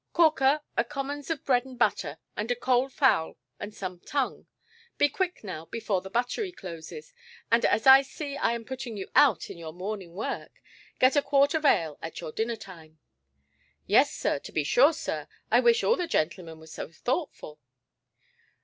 "Corker, a commons of bread and butter, and a cold fowl and some tongue. Be quick now, before the buttery closes. And, as I see I am putting you out in your morning work, get a quart of ale at your dinner–time". "Yes, sir, to be sure, sir; I wish all the gentlemen was as thoughtful".